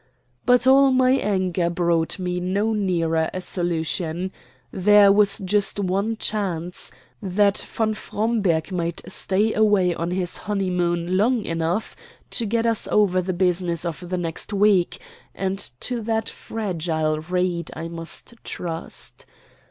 But all my anger brought me no nearer a solution. There was just one chance that von Fromberg might stay away on his honeymoon long enough to get us over the business of the next week, and to that fragile reed I must trust.